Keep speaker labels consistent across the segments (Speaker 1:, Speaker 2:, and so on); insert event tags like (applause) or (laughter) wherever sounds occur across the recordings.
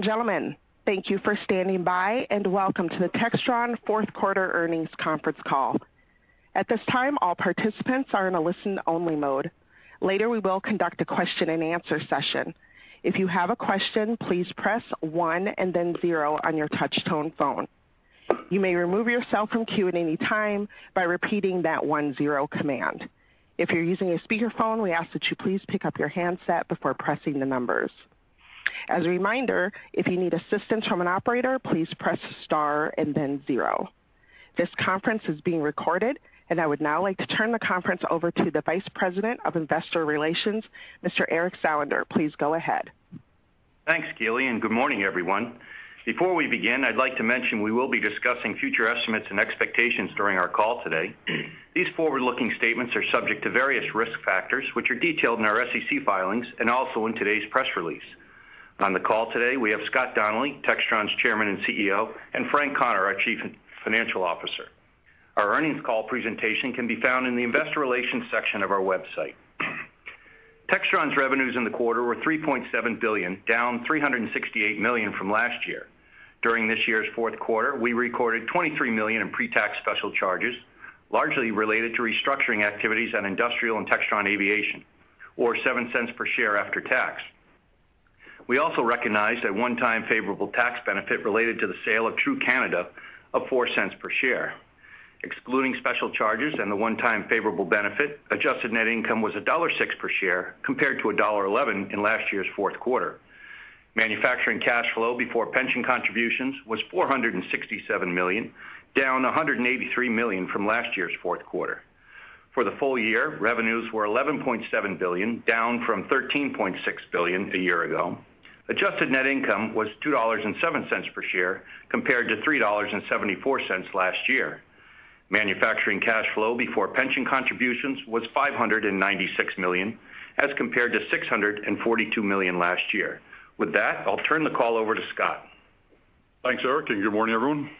Speaker 1: Ladies and gentlemen, thank you for standing by and welcome to the Textron Fourth Quarter Earnings Conference Call. At this time, all participants are in a listen-only mode. Later, we will conduct a question-and-answer session. If you have a question, please press one and then zero on your touch-tone phone. You may remove yourself from queue at any time by repeating that one-zero command. If you're using a speakerphone, we ask that you please pick up your handset before pressing the numbers. As a reminder, if you need assistance from an operator, please press star and then zero. This conference is being recorded, and I would now like to turn the conference over to the Vice President of Investor Relations, Mr. Eric Salander. Please go ahead.
Speaker 2: Thanks, Gilly, and good morning, everyone. Before we begin, I'd like to mention we will be discussing future estimates and expectations during our call today. These forward-looking statements are subject to various risk factors, which are detailed in our SEC filings and also in today's press release. On the call today, we have Scott Donnelly, Textron's Chairman and CEO, and Frank Connor, our Chief Financial Officer. Our earnings call presentation can be found in the Investor Relations section of our website. Textron's revenues in the quarter were $3.7 billion, down $368 million from last year. During this year's fourth quarter, we recorded $23 million in pre-tax special charges, largely related to restructuring activities on Industrial and Textron Aviation, or $0.07 per share after tax. We also recognized a one-time favorable tax benefit related to the sale of TRU Canada of $0.04 per share. Excluding special charges and the one-time favorable benefit, adjusted net income was $1.06 per share compared to $1.11 in last year's fourth quarter. Manufacturing cash flow before pension contributions was $467 million, down $183 million from last year's fourth quarter. For the full year, revenues were $11.7 billion, down from $13.6 billion a year ago. Adjusted net income was $2.07 per share compared to $3.74 last year. Manufacturing cash flow before pension contributions was $596 million as compared to $642 million last year. With that, I'll turn the call over to Scott.
Speaker 3: Thanks, Eric. Good morning, everyone.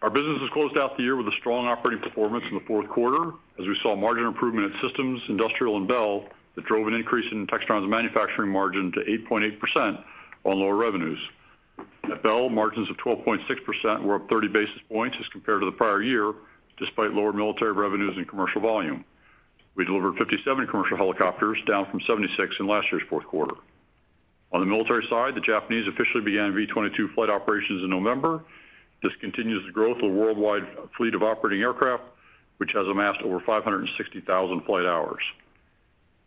Speaker 3: Our business has closed out the year with a strong operating performance in the fourth quarter, as we saw margin improvement at Systems, Industrial, and Bell that drove an increase in Textron's manufacturing margin to 8.8% on lower revenues. At Bell, margins of 12.6% were up 30 basis points as compared to the prior year, despite lower military revenues and commercial volume. We delivered 57 commercial helicopters, down from 76 in last year's fourth quarter. On the military side, the Japanese officially began V-22 flight operations in November. This continues the growth of the worldwide fleet of operating aircraft, which has amassed over 560,000 flight hours.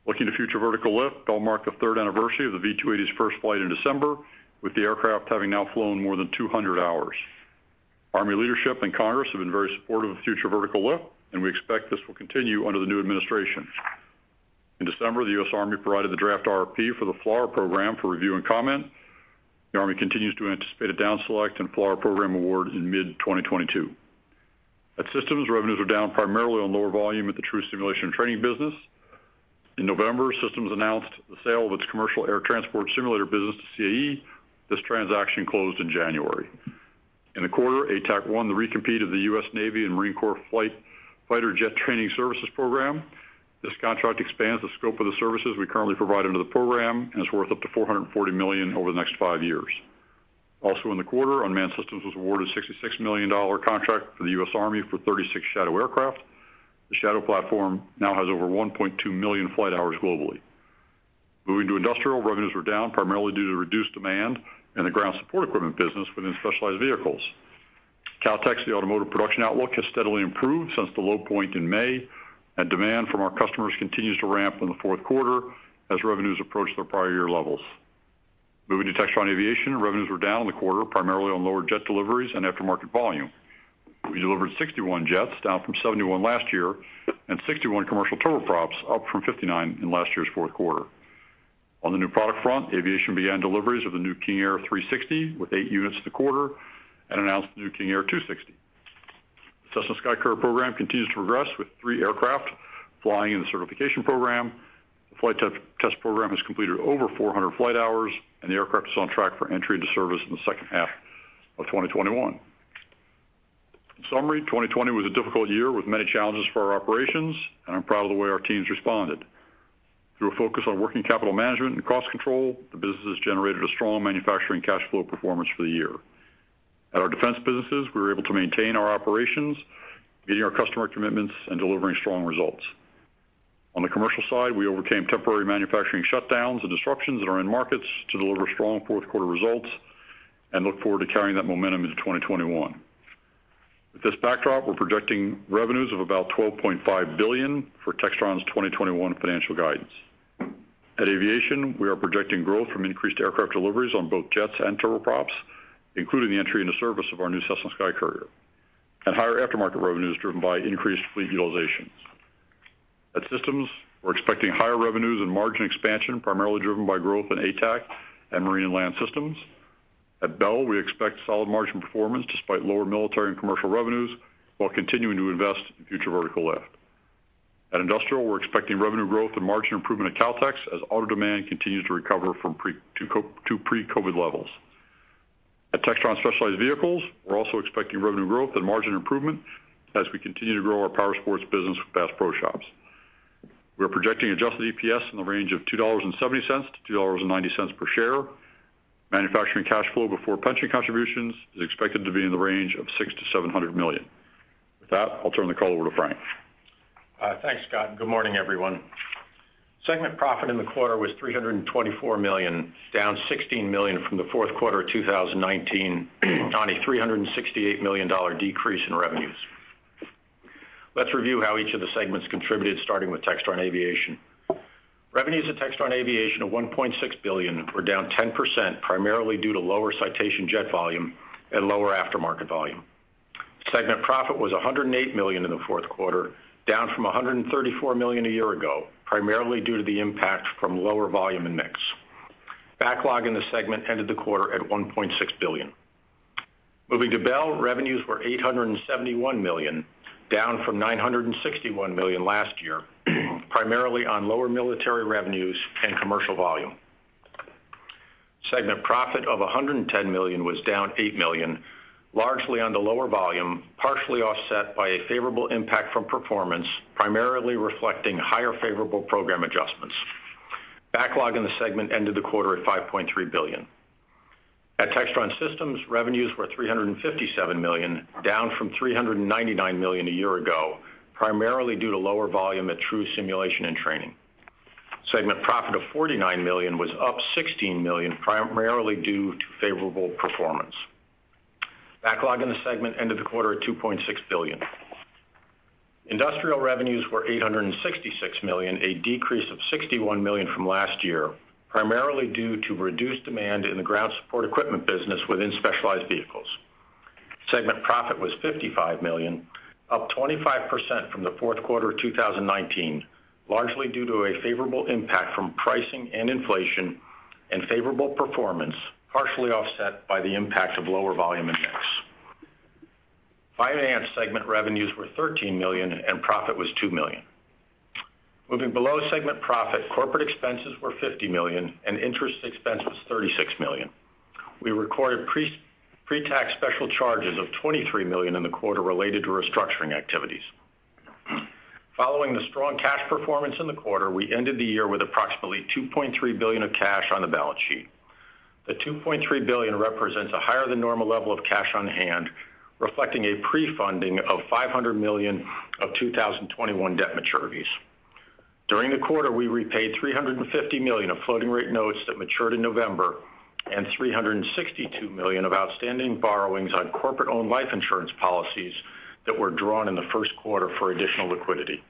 Speaker 3: Looking to future vertical lift, Bell marked the third anniversary of the V-280's first flight in December, with the aircraft having now flown more than 200 hours. Army leadership and Congress have been very supportive of future vertical lift, and we expect this will continue under the new administration. In December, the U.S. Army provided the draft RFP for the FLR program for review and comment. The Army continues to anticipate a down select and FLRAA program award in mid-2022. At Systems, revenues are down primarily on lower volume at the TRU Simulation + Training business. In November, Systems announced the sale of its commercial air transport simulator business to CAE. This transaction closed in January. In the quarter, ATAC won the recompete of the U.S. Navy and Marine Corps Fighter Jet Training Services program. This contract expands the scope of the services we currently provide under the program and is worth up to $440 million over the next five years. Also, in the quarter, Unmanned Systems was awarded a $66 million contract for the U.S. Army for 36 Shadow aircraft. The Shadow platform now has over 1.2 million flight hours globally. Moving to industrial, revenues are down primarily due to reduced demand in the ground support equipment business within specialized vehicles. Kautex, the automotive production outlook, has steadily improved since the low point in May, and demand from our customers continues to ramp in the fourth quarter as revenues approach their prior year levels. Moving to Textron Aviation, revenues were down in the quarter primarily on lower jet deliveries and aftermarket volume. We delivered 61 jets, down from 71 last year, and 61 commercial turboprops, up from 59 in last year's fourth quarter. On the new product front, Aviation began deliveries of the new King Air 360 with eight units in the quarter and announced the new King Air 260. The Cessna SkyCourier program continues to progress with three aircraft flying in the certification program. The flight test program has completed over 400 flight hours, and the aircraft is on track for entry into service in the second half of 2021. In summary, 2020 was a difficult year with many challenges for our operations, and I'm proud of the way our teams responded. Through a focus on working capital management and cost control, the business has generated a strong manufacturing cash flow performance for the year. At our defense businesses, we were able to maintain our operations, meeting our customer commitments and delivering strong results. On the commercial side, we overcame temporary manufacturing shutdowns and disruptions in our end markets to deliver strong fourth quarter results and look forward to carrying that momentum into 2021. With this backdrop, we're projecting revenues of about $12.5 billion for Textron's 2021 financial guidance. At Aviation, we are projecting growth from increased aircraft deliveries on both jets and turboprops, including the entry into service of our new Cessna SkyCourier and higher aftermarket revenues driven by increased fleet utilization. At Systems, we're expecting higher revenues and margin expansion primarily driven by growth in ATAC and Marine and Land Systems. At Bell, we expect solid margin performance despite lower military and commercial revenues while continuing to invest in future vertical lift. At Industrial, we're expecting revenue growth and margin improvement at Kautex as auto demand continues to recover from pre-COVID levels. At Textron Specialized Vehicles, we're also expecting revenue growth and margin improvement as we continue to grow our power sports business with Bass Pro Shops. We are projecting adjusted EPS in the range of $2.70-$2.90 per share. Manufacturing cash flow before pension contributions is expected to be in the range of $600 million-$700 million. With that, I'll turn the call over to Frank.
Speaker 4: Thanks, Scott, and good morning, everyone. Segment profit in the quarter was $324 million, down $16 million from the fourth quarter of 2019, a $368 million decrease in revenues. Let's review how each of the segments contributed, starting with Textron Aviation. Revenues at Textron Aviation of $1.6 billion were down 10%, primarily due to lower Citation jet volume and lower aftermarket volume. Segment profit was $108 million in the fourth quarter, down from $134 million a year ago, primarily due to the impact from lower volume and mix. Backlog in the segment ended the quarter at $1.6 billion. Moving to Bell, revenues were $871 million, down from $961 million last year, primarily on lower military revenues and commercial volume. Segment profit of $110 million was down $8 million, largely on the lower volume, partially offset by a favorable impact from performance, primarily reflecting higher favorable program adjustments. Backlog in the segment ended the quarter at $5.3 billion. At Textron Systems, revenues were $357 million, down from $399 million a year ago, primarily due to lower volume at TRU Simulation and Training. Segment profit of $49 million was up $16 million, primarily due to favorable performance. Backlog in the segment ended the quarter at $2.6 billion. Industrial revenues were $866 million, a decrease of $61 million from last year, primarily due to reduced demand in the ground support equipment business within specialized vehicles. Segment profit was $55 million, up 25% from the fourth quarter of 2019, largely due to a favorable impact from pricing and inflation and favorable performance, partially offset by the impact of lower volume and mix. Finance segment revenues were $13 million, and profit was $2 million. Moving below segment profit, corporate expenses were $50 million, and interest expense was $36 million. We recorded pre-tax special charges of $23 million in the quarter related to restructuring activities. Following the strong cash performance in the quarter, we ended the year with approximately $2.3 billion of cash on the balance sheet. The $2.3 billion represents a higher-than-normal level of cash on hand, reflecting a pre-funding of $500 million of 2021 debt maturities. During the quarter, we repaid $350 million of floating-rate notes that matured in November and $362 million of outstanding borrowings on corporate-owned life insurance policies that were drawn in the first quarter for additional liquidity.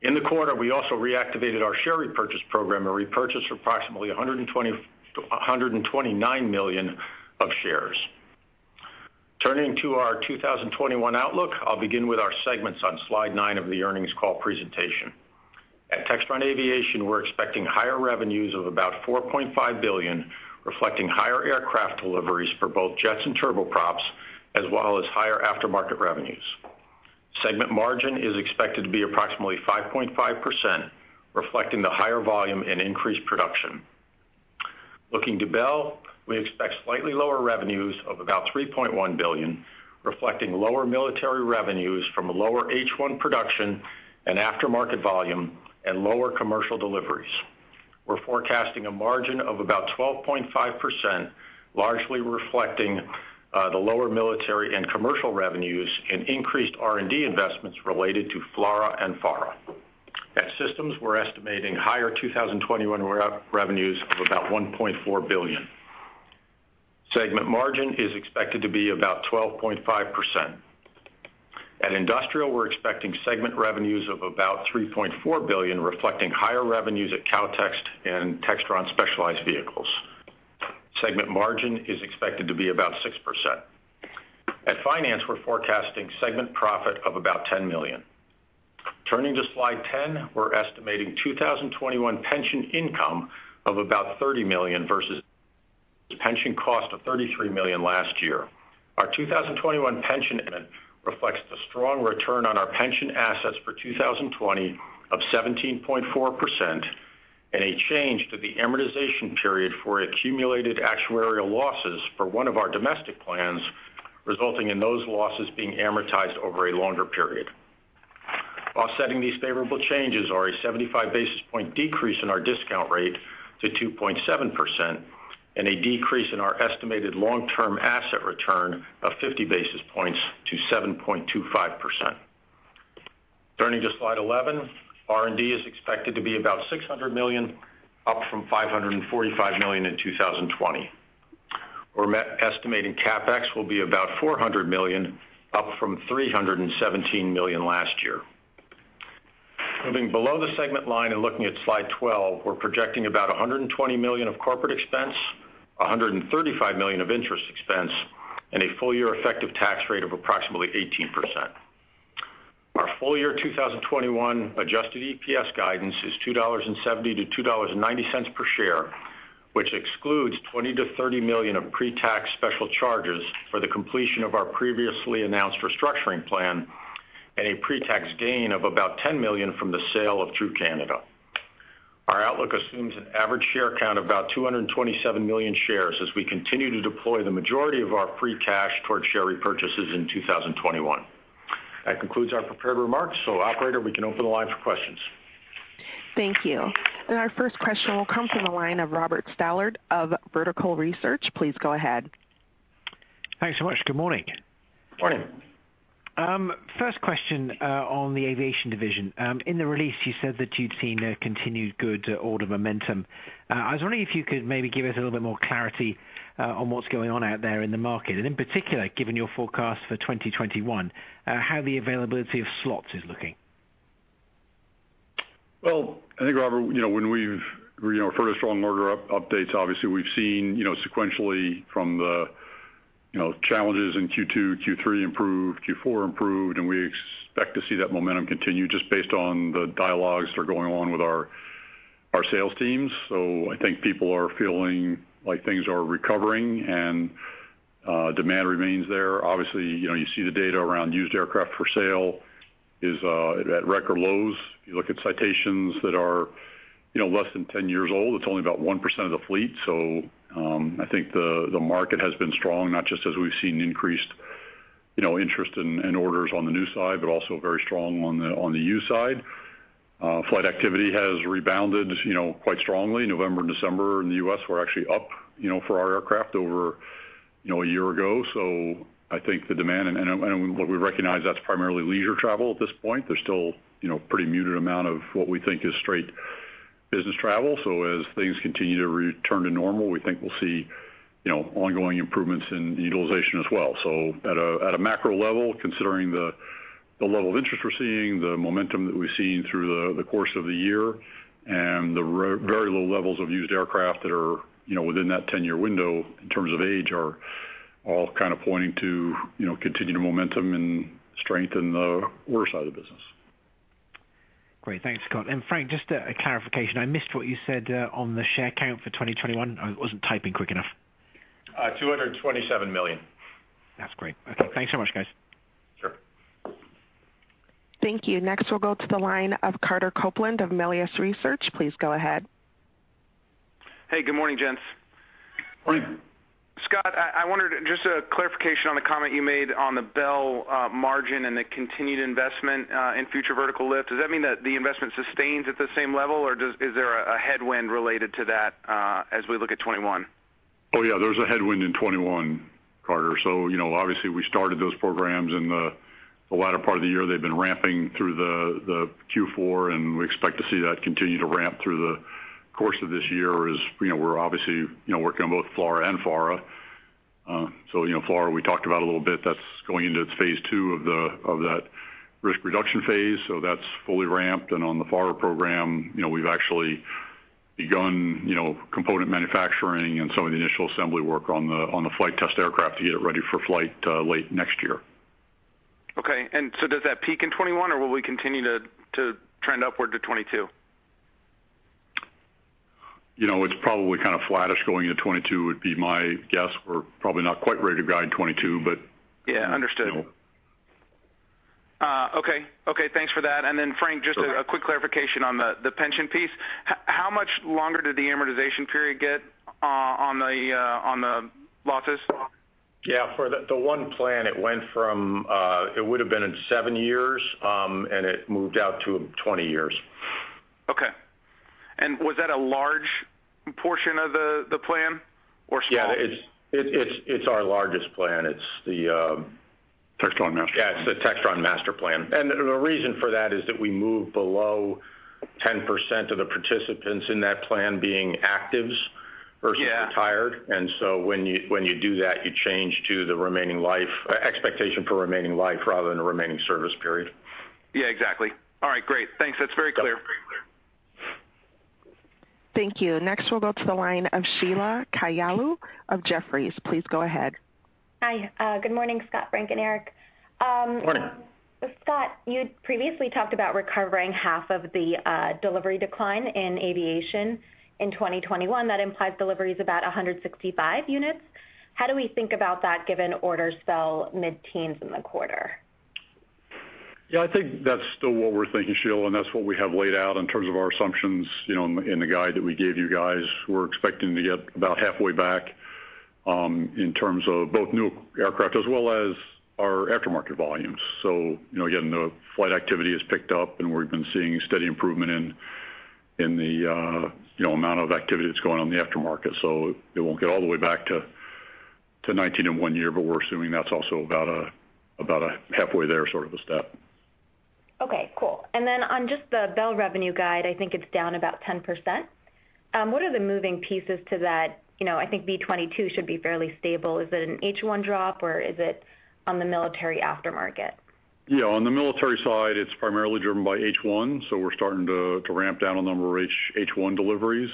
Speaker 4: In the quarter, we also reactivated our share repurchase program and repurchased approximately $129 million of shares. Turning to our 2021 outlook, I'll begin with our segments on slide nine of the earnings call presentation. At Textron Aviation, we're expecting higher revenues of about $4.5 billion, reflecting higher aircraft deliveries for both jets and turboprops, as well as higher aftermarket revenues. Segment margin is expected to be approximately 5.5%, reflecting the higher volume and increased production. Looking to Bell, we expect slightly lower revenues of about $3.1 billion, reflecting lower military revenues from lower H-1 production and aftermarket volume and lower commercial deliveries. We're forecasting a margin of about 12.5%, largely reflecting the lower military and commercial revenues and increased R&D investments related to FLRAA and FARA. At Systems, we're estimating higher 2021 revenues of about $1.4 billion. Segment margin is expected to be about 12.5%. At Industrial, we're expecting segment revenues of about $3.4 billion, reflecting higher revenues at Kautex and Textron Specialized Vehicles. Segment margin is expected to be about 6%. At Finance, we're forecasting segment profit of about $10 million. Turning to slide 10, we're estimating 2021 pension income of about $30 million versus pension cost of $33 million last year. Our 2021 pension reflects the strong return on our pension assets for 2020 of 17.4% and a change to the amortization period for accumulated actuarial losses for one of our domestic plans, resulting in those losses being amortized over a longer period. Offsetting these favorable changes are a 75 basis point decrease in our discount rate to 2.7% and a decrease in our estimated long-term asset return of 50 basis points to 7.25%. Turning to slide eleven, R&D is expected to be about $600 million, up from $545 million in 2020. We're estimating CapEx will be about $400 million, up from $317 million last year. Moving below the segment line and looking at slide twelve, we're projecting about $120 million of corporate expense, $135 million of interest expense, and a full-year effective tax rate of approximately 18%. Our full-year 2021 adjusted EPS guidance is $2.70-$2.90 per share, which excludes $20 million-$30 million of pre-tax special charges for the completion of our previously announced restructuring plan and a pre-tax gain of about $10 million from the sale of TRU Canada. Our outlook assumes an average share count of about 227 million shares as we continue to deploy the majority of our free cash toward share repurchases in 2021. That concludes our prepared remarks. So, Operator, we can open the line for questions.
Speaker 1: Thank you and our first question will come from the line of Robert Stallard of Vertical Research. Please go ahead.
Speaker 5: Thanks so much. Good morning.
Speaker 4: Morning.
Speaker 5: First question on the aviation division. In the release, you said that you'd seen a continued good order momentum. I was wondering if you could maybe give us a little bit more clarity on what's going on out there in the market, and in particular, given your forecast for 2021, how the availability of slots is looking.
Speaker 3: Well, I think, Robert, when we've heard a strong order update, obviously, we've seen sequentially from the challenges in Q2, Q3 improved, Q4 improved, and we expect to see that momentum continue just based on the dialogues that are going on with our sales teams. So I think people are feeling like things are recovering and demand remains there. Obviously, you see the data around used aircraft for sale is at record lows. If you look at Citations that are less than 10 years old, it's only about 1% of the fleet. So I think the market has been strong, not just as we've seen increased interest and orders on the new side, but also very strong on the used side. Flight activity has rebounded quite strongly. November and December in the U.S. were actually up for our aircraft over a year ago. So I think the demand, and we recognize that's primarily leisure travel at this point. There's still a pretty muted amount of what we think is straight business travel. So as things continue to return to normal, we think we'll see ongoing improvements in utilization as well. So at a macro level, considering the level of interest we're seeing, the momentum that we've seen through the course of the year, and the very low levels of used aircraft that are within that 10-year window in terms of age are all kind of pointing to continued momentum and strength in the order side of the business.
Speaker 5: Great. Thanks, Scott. And Frank, just a clarification. I missed what you said on the share count for 2021. I wasn't typing quick enough.
Speaker 4: $227 million.
Speaker 5: That's great. Okay. Thanks so much, guys. (inaudible)
Speaker 1: Thank you. Next, we'll go to the line of Carter Copeland of Melius Research. Please go ahead.
Speaker 6: Hey, good morning, gents.
Speaker 3: Morning.
Speaker 6: Scott, I wondered just a clarification on the comment you made on the Bell margin and the continued investment in future vertical lift. Does that mean that the investment sustains at the same level, or is there a headwind related to that as we look at 2021?
Speaker 3: Oh, yeah. There's a headwind in 2021, Carter, so obviously, we started those programs in the latter part of the year. They've been ramping through the Q4, and we expect to see that continue to ramp through the course of this year as we're obviously working on both FLRAA and FARA, so FLRAA, we talked about a little bit. That's going into phase two of that risk reduction phase, so that's fully ramped, and on the FARA program, we've actually begun component manufacturing and some of the initial assembly work on the flight test aircraft to get it ready for flight late next year.
Speaker 6: Okay, and so does that peak in 2021, or will we continue to trend upward to 2022?
Speaker 3: It's probably kind of flattish going into 2022, would be my guess. We're probably not quite ready to guide 2022, but.
Speaker 6: Yeah. Understood. Okay. Okay. Thanks for that. And then, Frank, just a quick clarification on the pension piece. How much longer did the amortization period get on the losses?
Speaker 4: Yeah. For the one plan, it went from it would have been in seven years, and it moved out to 20 years.
Speaker 6: Okay, and was that a large portion of the plan or small?
Speaker 4: Yeah. It's our largest plan. It's the.
Speaker 3: Textron Master.
Speaker 4: Yeah. It's the Textron Master Plan, and the reason for that is that we move below 10% of the participants in that plan being actives versus retired, and so when you do that, you change to the remaining life expectation for remaining life rather than the remaining service period.
Speaker 6: Yeah. Exactly. All right. Great. Thanks. That's very clear.
Speaker 1: Thank you. Next, we'll go to the line of Sheila Kahyaoglu of Jefferies. Please go ahead.
Speaker 7: Hi. Good morning, Scott, Frank, and Eric.
Speaker 2: Morning.
Speaker 7: Scott, you'd previously talked about recovering half of the delivery decline in aviation in 2021. That implies deliveries about 165 units. How do we think about that given orders FVLl mid-teens in the quarter?
Speaker 3: Yeah. I think that's still what we're thinking, Sheila, and that's what we have laid out in terms of our assumptions in the guide that we gave you guys. We're expecting to get about halfway back in terms of both new aircraft as well as our aftermarket volumes. So again, the flight activity has picked up, and we've been seeing steady improvement in the amount of activity that's going on in the aftermarket. So it won't get all the way back to 19 in one year, but we're assuming that's also about a halfway there sort of a step.
Speaker 7: Okay. Cool. And then on just the Bell revenue guide, I think it's down about 10%. What are the moving pieces to that? I think V-22 should be fairly stable. Is it an H-1 drop, or is it on the military aftermarket?
Speaker 3: Yeah. On the military side, it's primarily driven by H-1. So we're starting to ramp down a number of H-1 deliveries.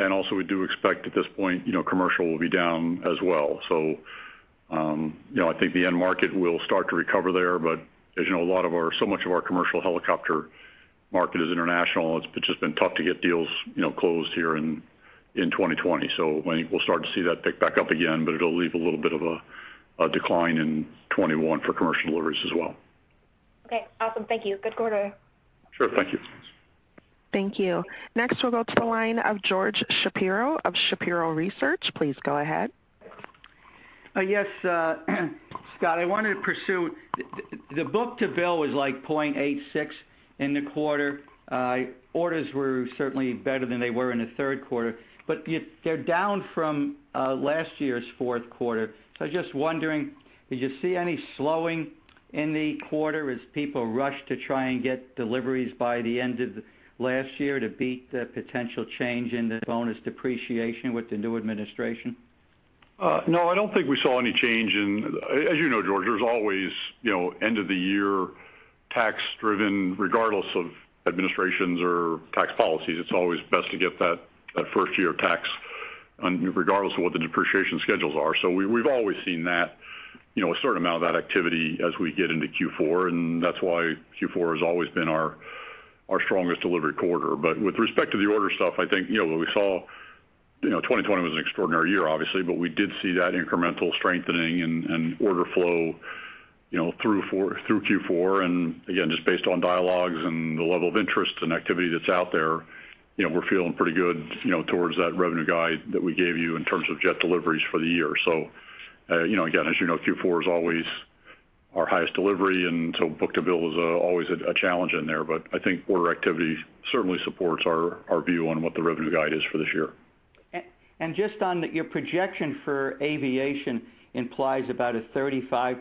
Speaker 3: And also, we do expect at this point, commercial will be down as well. So I think the end market will start to recover there. But as you know, so much of our commercial helicopter market is international. It's just been tough to get deals closed here in 2020. So I think we'll start to see that pick back up again, but it'll leave a little bit of a decline in 2021 for commercial deliveries as well.
Speaker 7: Okay. Awesome. Thank you. Good quarter.
Speaker 3: Sure. Thank you.
Speaker 1: Thank you. Next, we'll go to the line of George Shapiro of Shapiro Research. Please go ahead.
Speaker 8: Yes, Scott. I wanted to pursue the book-to-bill was like 0.86 in the quarter. Orders were certainly better than they were in the third quarter, but they're down from last year's fourth quarter. So I was just wondering, did you see any slowing in the quarter as people rushed to try and get deliveries by the end of last year to beat the potential change in the bonus depreciation with the new administration?
Speaker 3: No, I don't think we saw any change in. As you know, George, there's always end-of-the-year tax-driven, regardless of administrations or tax policies. It's always best to get that first year of tax regardless of what the depreciation schedules are. So we've always seen that a certain amount of that activity as we get into Q4. And that's why Q4 has always been our strongest delivery quarter. But with respect to the order stuff, I think we saw 2020 was an extraordinary year, obviously, but we did see that incremental strengthening and order flow through Q4. And again, just based on dialogues and the level of interest and activity that's out there, we're feeling pretty good towards that revenue guide that we gave you in terms of jet deliveries for the year. So again, as you know, Q4 is always our highest delivery. And so Book-to-Bill is always a challenge in there. But I think order activity certainly supports our view on what the revenue guide is for this year.
Speaker 8: And just on your projection for aviation implies about a 35%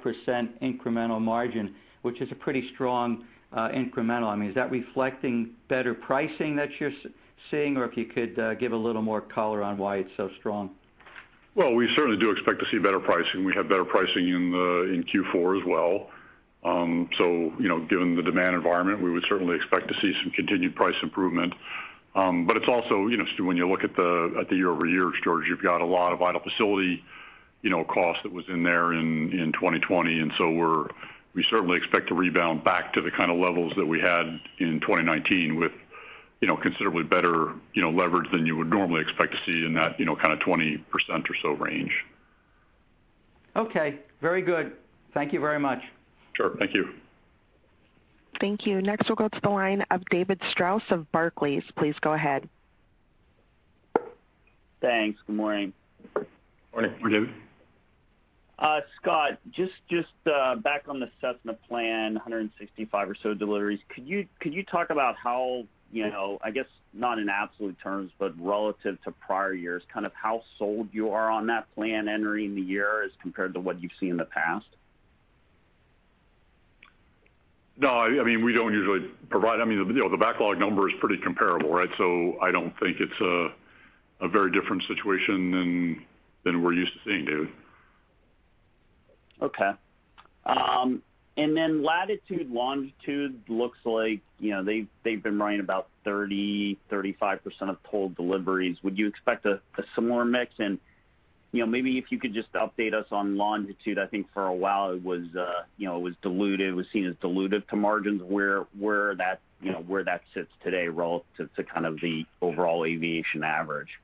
Speaker 8: incremental margin, which is a pretty strong incremental. I mean, is that reflecting better pricing that you're seeing, or if you could give a little more color on why it's so strong?
Speaker 3: Well, we certainly do expect to see better pricing. We have better pricing in Q4 as well. So given the demand environment, we would certainly expect to see some continued price improvement. But it's also when you look at the year-over-year, George, you've got a lot of idle facility costs that was in there in 2020. And so we certainly expect to rebound back to the kind of levels that we had in 2019 with considerably better leverage than you would normally expect to see in that kind of 20% or so range.
Speaker 8: Okay. Very good. Thank you very much.
Speaker 3: Sure. Thank you.
Speaker 1: Thank you. Next, we'll go to the line of David Strauss of Barclays. Please go ahead.
Speaker 9: Thanks. Good morning. Morning.
Speaker 3: Morning, David.
Speaker 9: Scott, just back on the assessment plan, 165 or so deliveries. Could you talk about how, I guess, not in absolute terms, but relative to prior years, kind of how sold you are on that plan entering the year as compared to what you've seen in the past?
Speaker 3: No, I mean, we don't usually provide, I mean, the backlog number is pretty comparable, right? So I don't think it's a very different situation than we're used to seeing, David.
Speaker 9: Okay. And then Latitude, Longitude looks like they've been running about 30%-35% of total deliveries. Would you expect a similar mix? And maybe if you could just update us on Longitude, I think for a while it was dilutive. It was seen as dilutive to margins where that sits today relative to kind of the overall aviation average.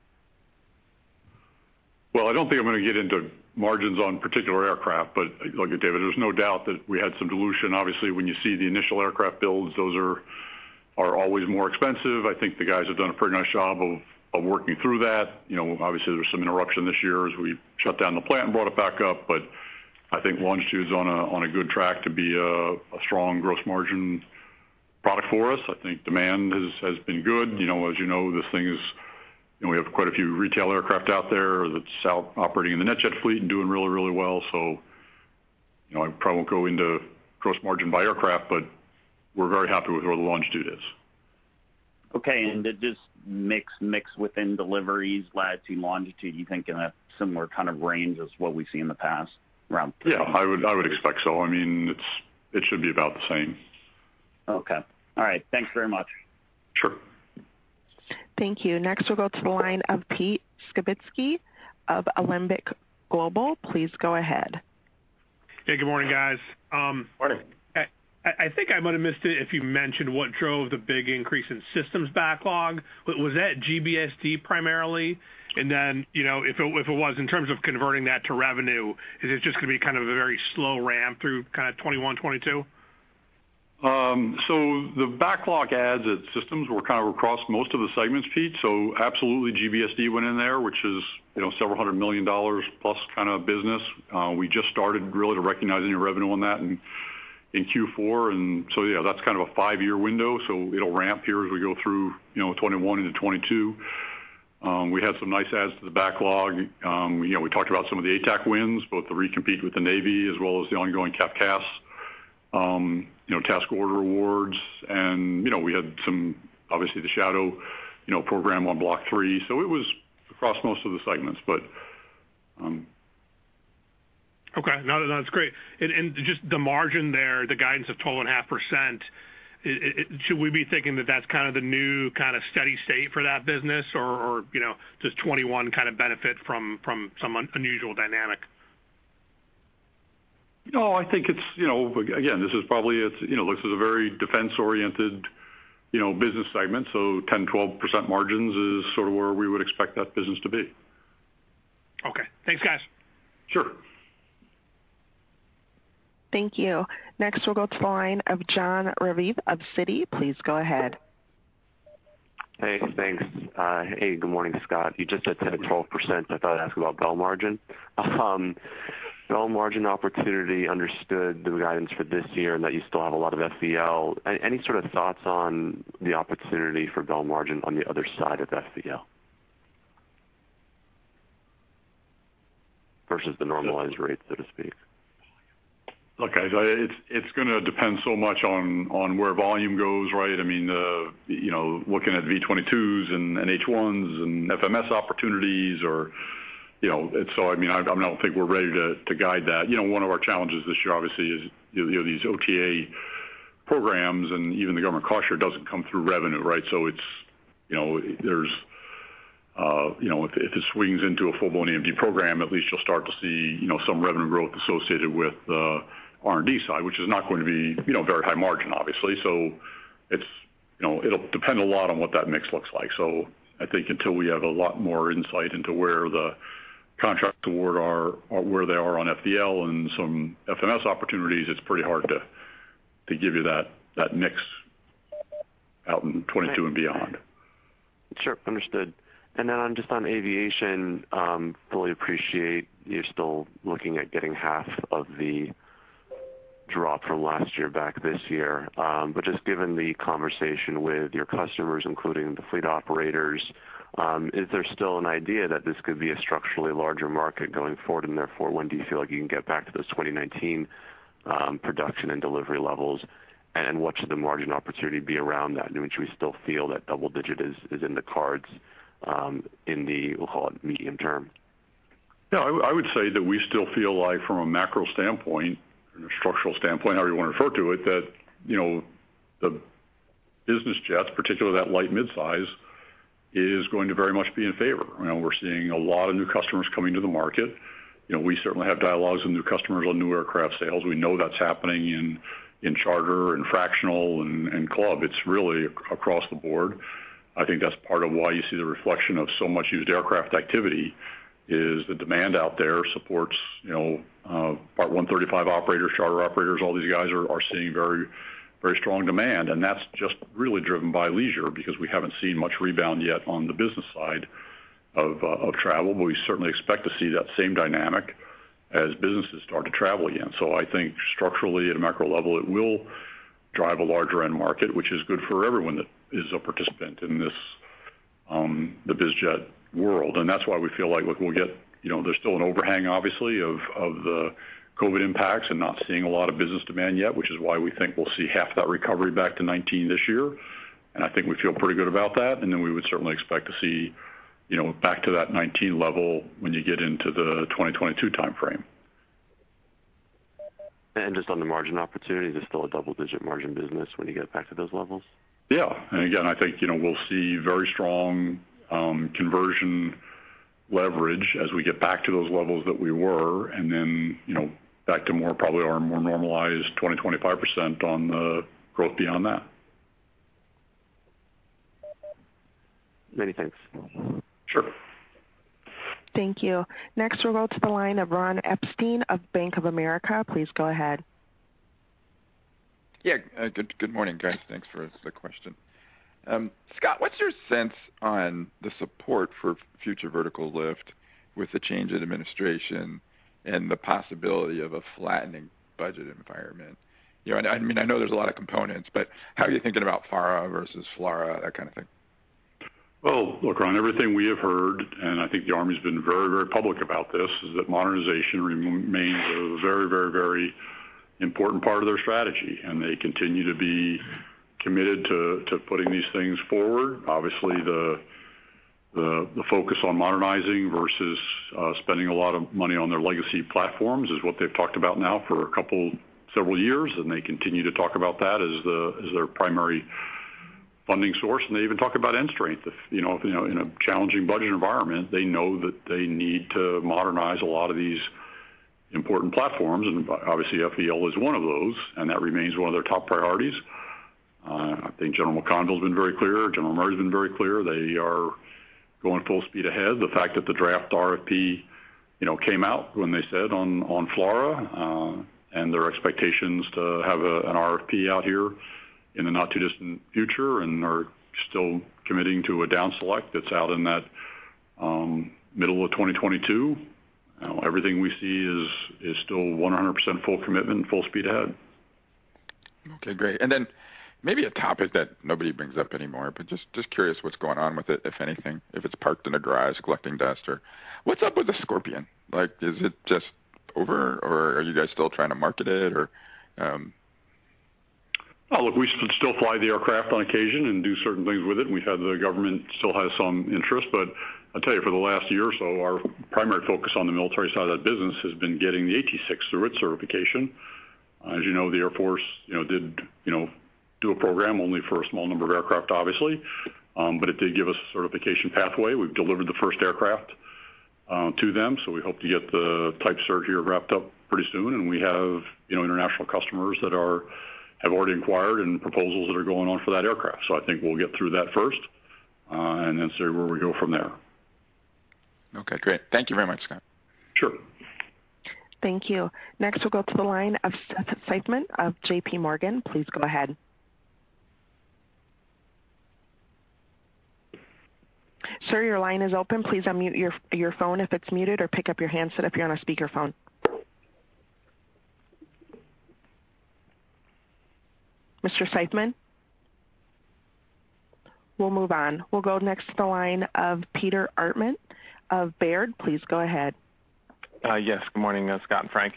Speaker 3: Well, I don't think I'm going to get into margins on particular aircraft, but look, David, there's no doubt that we had some dilution. Obviously, when you see the initial aircraft builds, those are always more expensive. I think the guys have done a pretty nice job of working through that. Obviously, there was some interruption this year as we shut down the plant and brought it back up, but I think Longitude is on a good track to be a strong gross margin product for us. I think demand has been good. As you know, this thing is we have quite a few retail aircraft out there that's operating in the NetJets fleet and doing really, really well. So I probably won't go into gross margin by aircraft, but we're very happy with where the Longitude is.
Speaker 9: Okay. And did this mix within deliveries, Latitude, Longitude, you think in a similar kind of range as what we've seen in the past around?
Speaker 3: Yeah. I would expect so. I mean, it should be about the same.
Speaker 9: Okay. All right. Thanks very much.
Speaker 3: Sure.
Speaker 1: Thank you. Next, we'll go to the line of Pete Skibitski of Alembic Global. Please go ahead.
Speaker 10: Hey, good morning, guys.
Speaker 3: Morning.
Speaker 10: I think I might have missed it if you mentioned what drove the big increase in systems backlog. Was that GBSD primarily? And then if it was, in terms of converting that to revenue, is it just going to be kind of a very slow ramp through kind of 2021, 2022?
Speaker 3: So the backlog adds at Systems were kind of across most of the segments, Pete. So absolutely, GBSD went in there, which is several hundred million dollars plus kind of business. We just started really to recognize any revenue on that in Q4. And so, yeah, that's kind of a five-year window. So it'll ramp here as we go through 2021 into 2022. We had some nice adds to the backlog. We talked about some of the ATAC wins, both the recompete with the Navy as well as the ongoing CAF CAS task order awards. And we had some, obviously, the Shadow program on block three. So it was across most of the segments, but.
Speaker 10: Okay. No, that's great. And just the margin there, the guidance of 12.5%, should we be thinking that that's kind of the new kind of steady state for that business or does 2021 kind of benefit from some unusual dynamic?
Speaker 3: No, I think it's again, this is probably a very defense-oriented business segment. So 10%-12% margins is sort of where we would expect that business to be.
Speaker 10: Okay. Thanks, guys.
Speaker 3: Sure.
Speaker 1: Thank you. Next, we'll go to the line of Jon Raviv of Citi. Please go ahead.
Speaker 11: Hey, thanks. Hey, good morning, Scott. You just said 12%. I thought I'd ask about Bell margin. Bell margin opportunity understood the guidance for this year and that you still have a lot of FVL. Any sort of thoughts on the opportunity for Bell margin on the other side of FVL versus the normalized rate, so to speak?
Speaker 3: Look, guys, it's going to depend so much on where volume goes, right? I mean, looking at V-22s and H-1s and FMS opportunities, or so, I mean, I don't think we're ready to guide that. One of our challenges this year, obviously, is these OTA programs, and even the government cost share doesn't come through revenue, right? So, there's, if it swings into a full-blown EMD program, at least you'll start to see some revenue growth associated with the R&D side, which is not going to be very high margin, obviously. So it'll depend a lot on what that mix looks like. So I think until we have a lot more insight into where the contract awards are or where they are on FVL and some FMS opportunities, it's pretty hard to give you that mix out in 2022 and beyond.
Speaker 11: Sure. Understood. And then just on aviation, fully appreciate you're still looking at getting half of the drop from last year back this year. But just given the conversation with your customers, including the fleet operators, is there still an idea that this could be a structurally larger market going forward? And therefore, when do you feel like you can get back to those 2019 production and delivery levels? And what should the margin opportunity be around that? I mean, should we still feel that double digit is in the cards in the, we'll call it, medium term?
Speaker 3: Yeah. I would say that we still feel like from a macro standpoint and a structural standpoint, however you want to refer to it, that the business jets, particularly that light-mid size, is going to very much be in favor. We're seeing a lot of new customers coming to the market. We certainly have dialogues with new customers on new aircraft sales. We know that's happening in charter and fractional and club. It's really across the board. I think that's part of why you see the reflection of so much used aircraft activity is the demand out there supports Part 135 operators, charter operators. All these guys are seeing very strong demand, and that's just really driven by leisure because we haven't seen much rebound yet on the business side of travel, but we certainly expect to see that same dynamic as businesses start to travel again. So I think structurally at a macro level, it will drive a larger end market, which is good for everyone that is a participant in the Biz-Jet world. And that's why we feel like we'll get there. There's still an overhang, obviously, of the COVID impacts and not seeing a lot of business demand yet, which is why we think we'll see half that recovery back to 2019 this year. And I think we feel pretty good about that. And then we would certainly expect to see back to that 2019 level when you get into the 2022 timeframe.
Speaker 11: Just on the margin opportunity, is it still a double-digit margin business when you get back to those levels?
Speaker 3: Yeah. And again, I think we'll see very strong conversion leverage as we get back to those levels that we were and then back to probably our more normalized 20%-25% on the growth beyond that.
Speaker 11: Many thanks.
Speaker 3: Sure.
Speaker 1: Thank you. Next, we'll go to the line of Ron Epstein of Bank of America. Please go ahead.
Speaker 12: Yeah. Good morning, guys. Thanks for the question. Scott, what's your sense on the support for future vertical lift with the change in administration and the possibility of a flattening budget environment? I mean, I know there's a lot of components, but how are you thinking about FARA versus FLRAA, that kind of thing?
Speaker 3: Well, look, Ron, everything we have heard, and I think the Army has been very, very public about this, is that modernization remains a very, very, very important part of their strategy. And they continue to be committed to putting these things forward. Obviously, the focus on modernizing versus spending a lot of money on their legacy platforms is what they've talked about now for several years. And they continue to talk about that as their primary funding source. And they even talk about end strength. In a challenging budget environment, they know that they need to modernize a lot of these important platforms. And obviously, FVL is one of those, and that remains one of their top priorities. I think General McConville has been very clear. General Milley has been very clear. They are going full speed ahead. The fact that the draft RFP came out when they said on FLRAA and their expectations to have an RFP out here in the not-too-distant future and are still committing to a down select that's out in that middle of 2022, everything we see is still 100% full commitment and full speed ahead.
Speaker 12: Okay. Great. And then maybe a topic that nobody brings up anymore, but just curious what's going on with it, if anything, if it's parked in a garage collecting dust, or what's up with the Scorpion? Is it just over, or are you guys still trying to market it, or?
Speaker 3: Look, we still fly the aircraft on occasion and do certain things with it. The government still has some interest. But I'll tell you, for the last year or so, our primary focus on the military side of that business has been getting the AT-6 through its certification. As you know, the Air Force did do a program only for a small number of aircraft, obviously, but it did give us a certification pathway. We've delivered the first aircraft to them. We hope to get the type cert here wrapped up pretty soon. We have international customers that have already inquired and proposals that are going on for that aircraft. I think we'll get through that first and then see where we go from there.
Speaker 12: Okay. Great. Thank you very much, Scott.
Speaker 3: Sure.
Speaker 1: Thank you. Next, we'll go to the line of Seth Seifman of JPMorgan. Please go ahead. Sir, your line is open. Please unmute your phone if it's muted or pick up your handset if you're on a speakerphone. Mr. Seifman? We'll move on. We'll go next to the line of Peter Arment of Baird. Please go ahead.
Speaker 13: Yes. Good morning, Scott and Frank.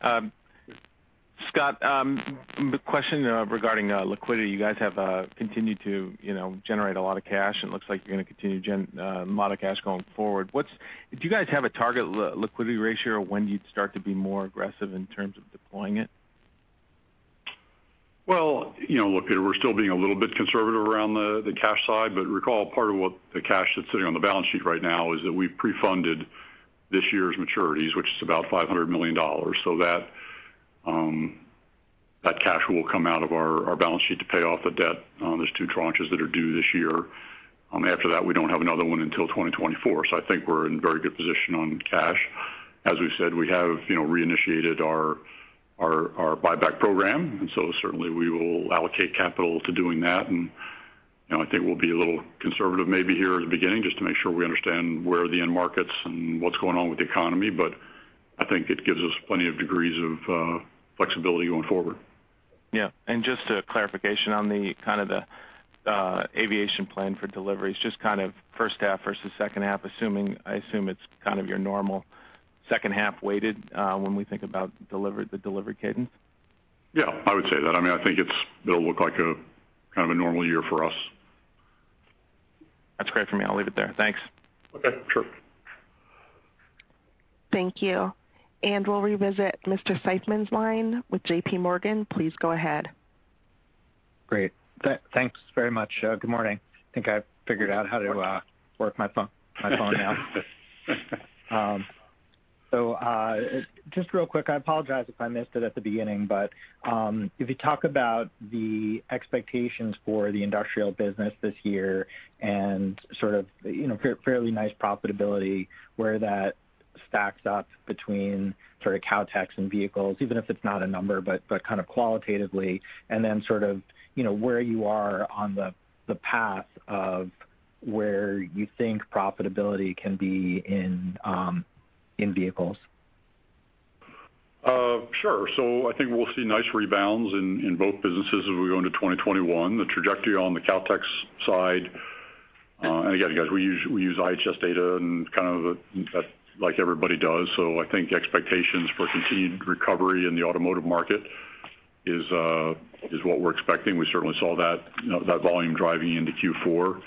Speaker 13: Scott, question regarding liquidity. You guys have continued to generate a lot of cash, and it looks like you're going to continue to generate a lot of cash going forward. Do you guys have a target liquidity ratio or when do you start to be more aggressive in terms of deploying it?
Speaker 3: Look, Peter, we're still being a little bit conservative around the cash side. But recall, part of what the cash that's sitting on the balance sheet right now is that we've pre-funded this year's maturities, which is about $500 million. So that cash will come out of our balance sheet to pay off the debt. There's two tranches that are due this year. After that, we don't have another one until 2024. So I think we're in a very good position on cash. As we said, we have reinitiated our buyback program. And so certainly, we will allocate capital to doing that. And I think we'll be a little conservative maybe here at the beginning just to make sure we understand where the end markets and what's going on with the economy. But I think it gives us plenty of degrees of flexibility going forward.
Speaker 13: Yeah. And just a clarification on kind of the aviation plan for deliveries, just kind of first half versus second half, I assume it's kind of your normal second half weighted when we think about the delivery cadence?
Speaker 3: Yeah. I would say that. I mean, I think it'll look like kind of a normal year for us.
Speaker 13: That's great for me. I'll leave it there. Thanks.
Speaker 3: Okay. Sure.
Speaker 1: Thank you. And we'll revisit Mr. Seifman's line with JPMorgan. Please go ahead.
Speaker 14: Great. Thanks very much. Good morning. I think I figured out how to work my phone now. So just real quick, I apologize if I missed it at the beginning, but if you talk about the expectations for the industrial business this year and sort of fairly nice profitability, where that stacks up between sort of Kautex and vehicles, even if it's not a number, but kind of qualitatively, and then sort of where you are on the path of where you think profitability can be in vehicles?
Speaker 3: Sure. So I think we'll see nice rebounds in both businesses as we go into 2021. The trajectory on the Kautex side, and again, guys, we use IHS data and kind of like everybody does. So I think expectations for continued recovery in the automotive market is what we're expecting. We certainly saw that volume driving into Q4.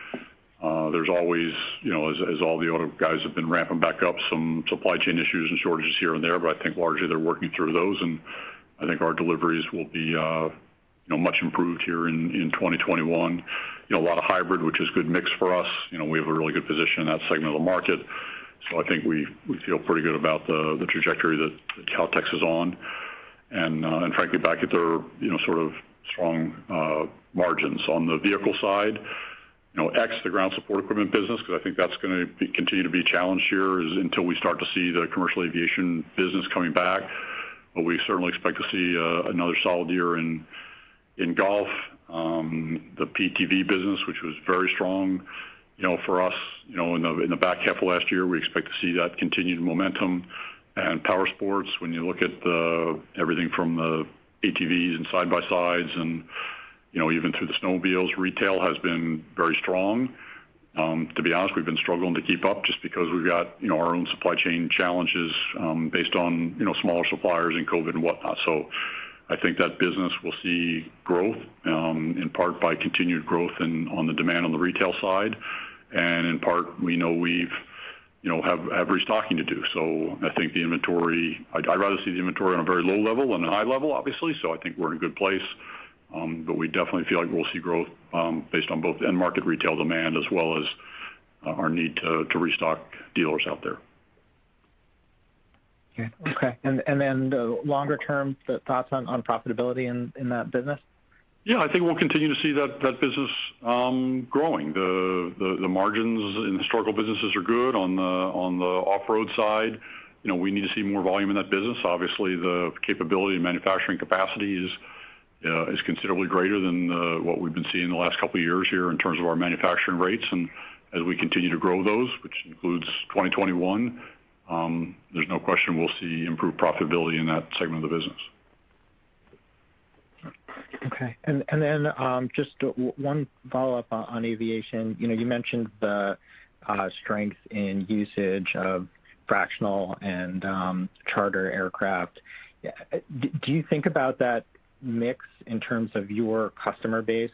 Speaker 3: There's always, as all the other guys have been ramping back up, some supply chain issues and shortages here and there, but I think largely they're working through those. And I think our deliveries will be much improved here in 2021. A lot of hybrid, which is a good mix for us. We have a really good position in that segment of the market. So I think we feel pretty good about the trajectory that Kautex is on. And frankly, back at their sort of strong margins. On the vehicle side, except the ground support equipment business, because I think that's going to continue to be challenged here until we start to see the commercial aviation business coming back, but we certainly expect to see another solid year in golf. The PTV business, which was very strong for us in the back half of last year, we expect to see that continued momentum, and power sports, when you look at everything from the ATVs and side-by-sides and even through the snowmobiles, retail has been very strong. To be honest, we've been struggling to keep up just because we've got our own supply chain challenges based on smaller suppliers and COVID and whatnot, so I think that business will see growth in part by continued growth on the demand on the retail side, and in part, we know we have restocking to do. I think the inventory, I'd rather see the inventory on a very low level than a high level, obviously. I think we're in a good place. We definitely feel like we'll see growth based on both end market retail demand as well as our need to restock dealers out there.
Speaker 14: Okay, and then longer-term thoughts on profitability in that business?
Speaker 3: Yeah. I think we'll continue to see that business growing. The margins in historical businesses are good on the off-road side. We need to see more volume in that business. Obviously, the capability and manufacturing capacity is considerably greater than what we've been seeing in the last couple of years here in terms of our manufacturing rates. And as we continue to grow those, which includes 2021, there's no question we'll see improved profitability in that segment of the business.
Speaker 14: Okay, and then just one follow-up on aviation. You mentioned the strength in usage of fractional and charter aircraft. Do you think about that mix in terms of your customer base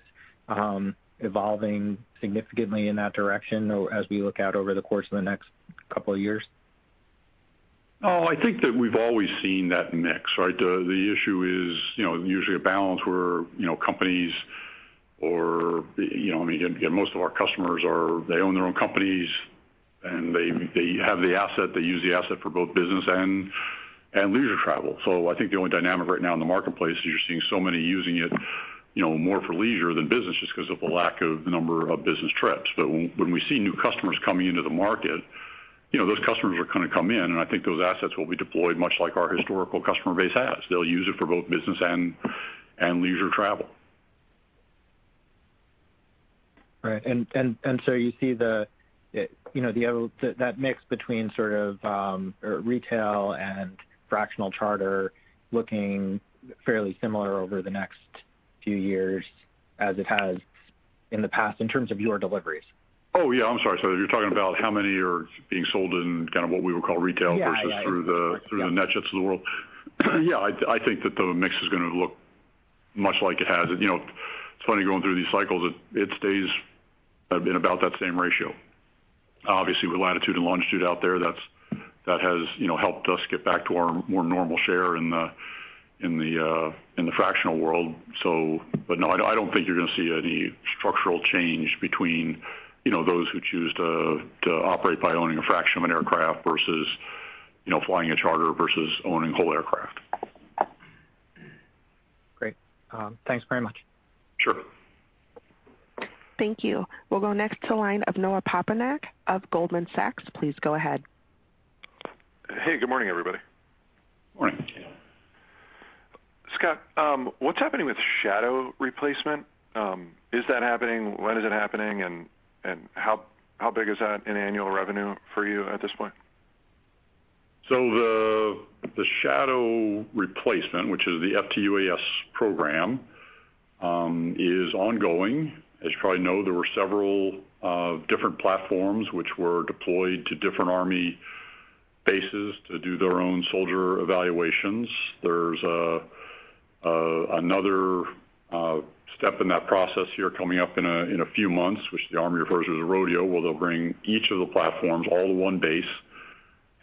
Speaker 14: evolving significantly in that direction as we look out over the course of the next couple of years?
Speaker 3: Oh, I think that we've always seen that mix, right? The issue is usually a balance where companies or, I mean, again, most of our customers, they own their own companies, and they have the asset. They use the asset for both business and leisure travel. So I think the only dynamic right now in the marketplace is you're seeing so many using it more for leisure than business just because of the lack of number of business trips. But when we see new customers coming into the market, those customers are going to come in. And I think those assets will be deployed much like our historical customer base has. They'll use it for both business and leisure travel.
Speaker 14: Right. And so you see that mix between sort of retail and fractional charter looking fairly similar over the next few years as it has in the past in terms of your deliveries?
Speaker 3: Oh, yeah. I'm sorry. So you're talking about how many are being sold in kind of what we would call retail versus through the NetJets of the world? Yeah. I think that the mix is going to look much like it has. It's funny going through these cycles. It stays in about that same ratio. Obviously, with Latitude and Longitude out there, that has helped us get back to our more normal share in the fractional world. But no, I don't think you're going to see any structural change between those who choose to operate by owning a fraction of an aircraft versus flying a charter versus owning a whole aircraft.
Speaker 14: Great. Thanks very much.
Speaker 3: Sure.
Speaker 1: Thank you. We'll go next to the line of Noah Poponak of Goldman Sachs. Please go ahead.
Speaker 15: Hey. Good morning, everybody.
Speaker 3: Morning.
Speaker 15: Scott, what's happening with Shadow replacement? Is that happening? When is it happening, and how big is that in annual revenue for you at this point?
Speaker 3: So the Shadow replacement, which is the FTUAS program, is ongoing. As you probably know, there were several different platforms which were deployed to different Army bases to do their own soldier evaluations. There's another step in that process here coming up in a few months, which the Army refers to as a rodeo where they'll bring each of the platforms, all to one base,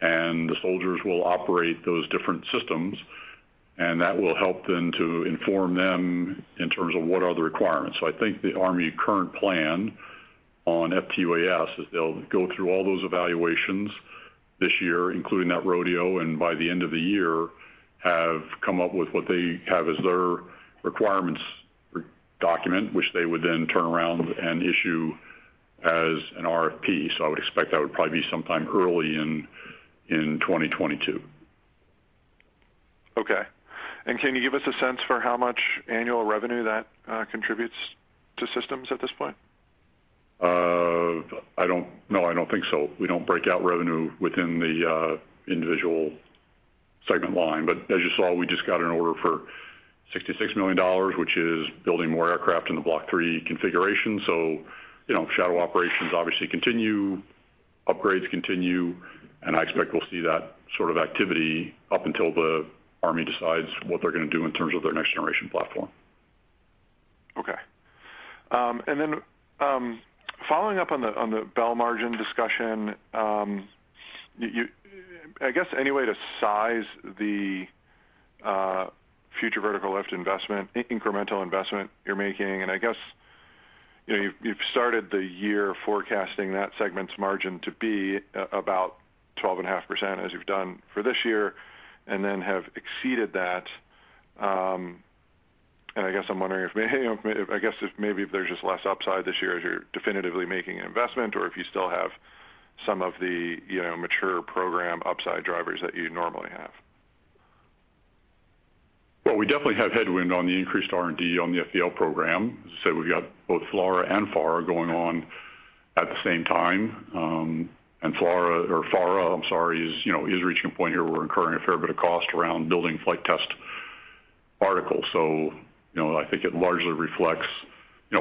Speaker 3: and the soldiers will operate those different systems. And that will help them to inform them in terms of what are the requirements. So I think the Army current plan on FTUAS is they'll go through all those evaluations this year, including that rodeo, and by the end of the year, have come up with what they have as their requirements document, which they would then turn around and issue as an RFP. So I would expect that would probably be sometime early in 2022.
Speaker 15: Okay, and can you give us a sense for how much annual revenue that contributes to systems at this point?
Speaker 3: No, I don't think so. We don't break out revenue within the individual segment line. But as you saw, we just got an order for $66 million, which is building more aircraft in the Block III configuration. So Shadow operations obviously continue, upgrades continue, and I expect we'll see that sort of activity up until the Army decides what they're going to do in terms of their next-generation platform.
Speaker 15: Okay. And then following up on the Bell margin discussion, I guess any way to size the future vertical lift investment, incremental investment you're making? And I guess you've started the year forecasting that segment's margin to be about 12.5% as you've done for this year and then have exceeded that. And I guess I'm wondering if maybe there's just less upside this year as you're definitively making an investment or if you still have some of the mature program upside drivers that you normally have.
Speaker 3: We definitely have headwind on the increased R&D on the FLRAA program. As I said, we've got both FLRAA and FARA going on at the same time. FLRAA or FARA, I'm sorry, is reaching a point here where we're incurring a fair bit of cost around building flight test articles. I think it largely reflects,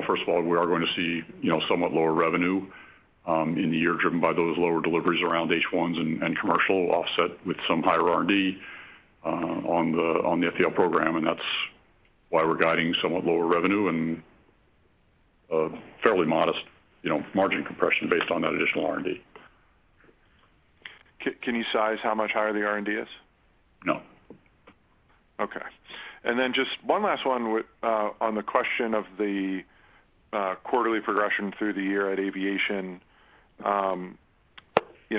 Speaker 3: first of all, we are going to see somewhat lower revenue in the year driven by those lower deliveries around H-1s and commercial offset with some higher R&D on the FLRAA program. That's why we're guiding somewhat lower revenue and fairly modest margin compression based on that additional R&D.
Speaker 15: Can you size how much higher the R&D is?
Speaker 3: No.
Speaker 15: Okay. And then just one last one on the question of the quarterly progression through the year at aviation.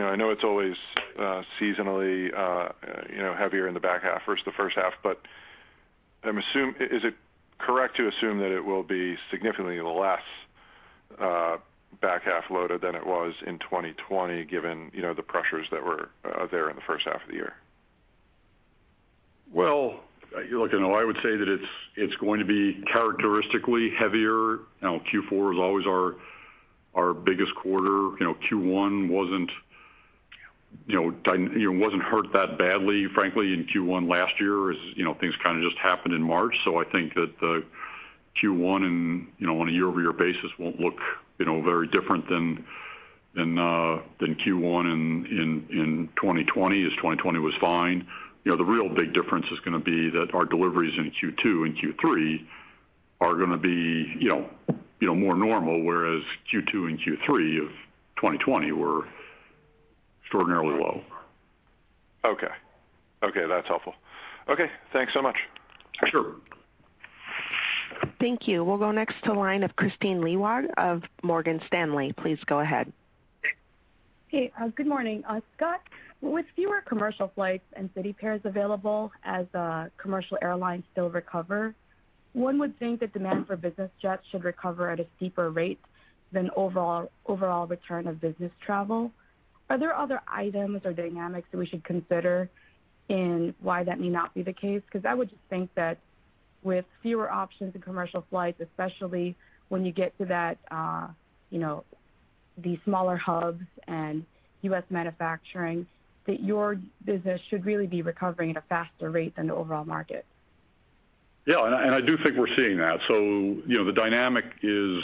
Speaker 15: I know it's always seasonally heavier in the back half versus the first half, but is it correct to assume that it will be significantly less back half loaded than it was in 2020 given the pressures that were there in the first half of the year?
Speaker 3: I would say that it's going to be characteristically heavier. Q4 is always our biggest quarter. Q1 wasn't hurt that badly, frankly, in Q1 last year as things kind of just happened in March. I think that the Q1 on a year-over-year basis won't look very different than Q1 in 2020 as 2020 was fine. The real big difference is going to be that our deliveries in Q2 and Q3 are going to be more normal, whereas Q2 and Q3 of 2020 were extraordinarily low.
Speaker 15: Okay. Okay. That's helpful. Okay. Thanks so much.
Speaker 3: Sure.
Speaker 1: Thank you. We'll go next to the line of Kristine Liwag of Morgan Stanley. Please go ahead.
Speaker 16: Hey. Good morning. Scott, with fewer commercial flights and city pairs available as commercial airlines still recover, one would think that demand for business jets should recover at a steeper rate than overall return of business travel. Are there other items or dynamics that we should consider in why that may not be the case? Because I would just think that with fewer options in commercial flights, especially when you get to the smaller hubs and U.S. manufacturing, that your business should really be recovering at a faster rate than the overall market.
Speaker 3: Yeah. And I do think we're seeing that. So the dynamic is